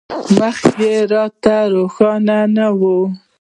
موخه یې راته روښانه نه وه.